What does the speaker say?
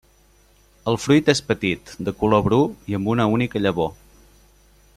El fruit és petit, de color bru i amb una única llavor.